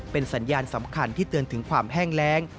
เป็นสัญญาณสำคัญที่เตือนถึงความแห้งแรง